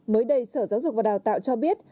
mới đây sở giáo dục và đào tạo cho biết